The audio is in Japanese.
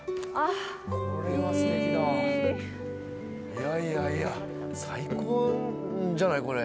いやいやいや最高じゃないこれ。